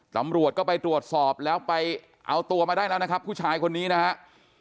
ตำรวจก็ไปตรวจสอบแล้วไปเอาตัวมาได้แล้วนะครับผู้ชายคนนี้นะครับ